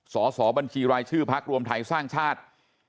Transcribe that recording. สอบบัญชีรายชื่อพักรวมไทยสร้างชาติ